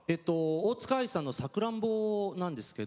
大塚愛さんの「さくらんぼ」です。